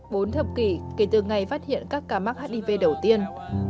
bốn thập kỷ kể từ ngày phát hiện các ca mắc hiv đầu tiên